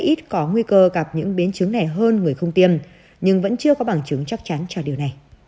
ít có nguy cơ gặp những biến chứng này hơn người không tiêm nhưng vẫn chưa có bằng chứng chắc chắn cho điều này